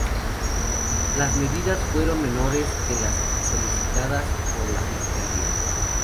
Las medidas fueron menores que las solicitadas por la fiscalía.